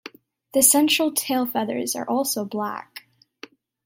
The central tail feathers are also black.